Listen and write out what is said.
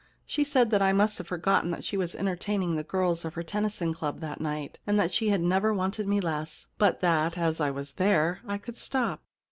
She said that I must have forgotten that she was entertaining the girls of her Tennyson Club that night, and that she had never wanted me less, but that, as I was there, I could stop.